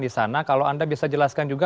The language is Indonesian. disana kalau anda bisa jelaskan juga